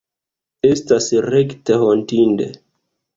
Estas rekte hontinde.